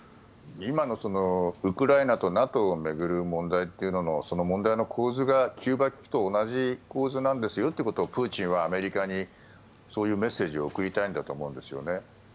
今のウクライナとＮＡＴＯを巡る問題というののその問題の構図がキューバ危機と同じ構図なんですよとプーチンはアメリカにそういうメッセージを送りたいんだと思うんですよね。